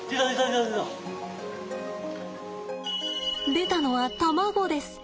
出たのは卵です。